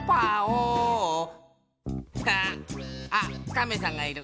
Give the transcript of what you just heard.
カメさんがいる。